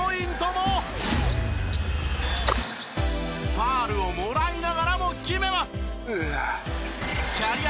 ファウルをもらいながらも決めます。